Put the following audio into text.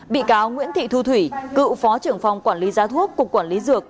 bị cáo nguyễn thị thu thủy cựu phó trưởng phòng quản lý giá thuốc cục quản lý dược